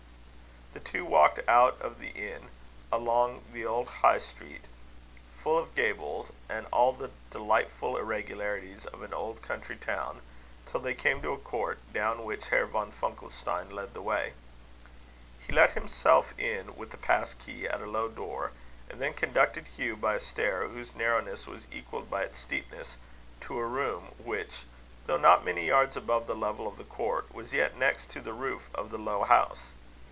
The two walked out of the inn, along the old High Street, full of gables and all the delightful irregularities of an old country town, till they came to a court, down which Herr von Funkelstein led the way. He let himself in with a pass key at a low door, and then conducted Hugh, by a stair whose narrowness was equalled by its steepness, to a room, which, though not many yards above the level of the court, was yet next to the roof of the low house.